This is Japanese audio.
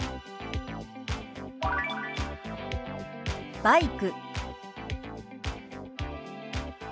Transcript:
「バイク」。